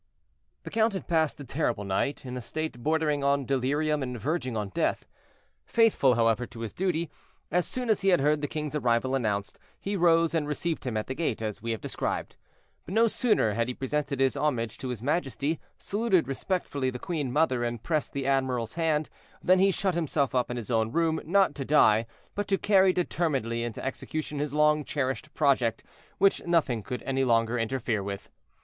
The count had passed a terrible night, in a state bordering on delirium and verging on death. Faithful, however, to his duty, as soon as he had heard the king's arrival announced, he rose and received him at the gate, as we have described; but no sooner had he presented his homage to his majesty, saluted respectfully the queen mother, and pressed the admiral's hand, than he shut himself up in his own room, not to die, but to carry determinedly into execution his long cherished project, which nothing could any longer interfere with.